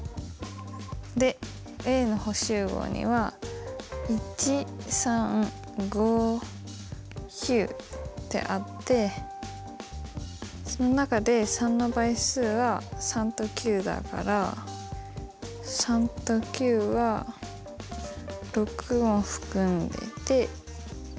でＡの補集合には１３５９ってあってその中で３の倍数は３と９だから３と９は６を含んでてＢ。